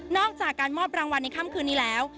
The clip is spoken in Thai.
อกจากการมอบรางวัลในค่ำคืนนี้แล้ว